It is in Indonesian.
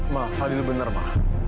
ma fadil benar ma